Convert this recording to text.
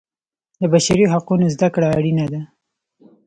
د بشري حقونو زده کړه اړینه ده.